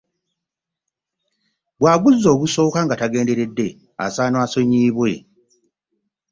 Bwaguza ogusooka nga tagenderedde asaana asonyibwe .